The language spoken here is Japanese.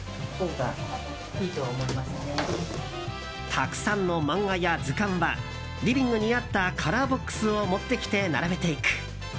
たくさんの漫画や図鑑はリビングにあったカラーボックスを持ってきて並べていく。